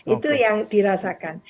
itu yang dirasakan